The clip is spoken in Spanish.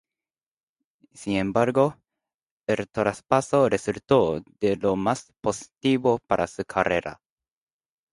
Sin embargo, el traspaso resultó de lo más positivo para su carrera.